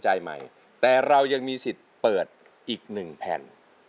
สัตยาสินใจใหม่แต่เรายังมีสิทธิ์เปิดอีกหนึ่งแพลน